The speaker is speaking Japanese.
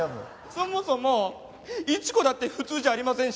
そもそもイチ子だって普通じゃありませんしね。